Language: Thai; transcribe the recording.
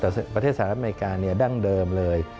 แต่ประเทศสหรัฐอเมริกาดั้งเดิมเลย